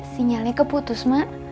sinyalnya keputus mak